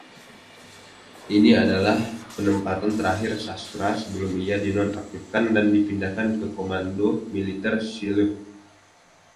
Ini adalah penempatan terakhir "Shasta" sebelum ia dinonaktifkan dan dipindahkan ke Komando Militer Sealift.